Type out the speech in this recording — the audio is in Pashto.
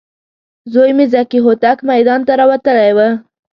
زوی مې ذکي هوتک میدان ته راوتلی و.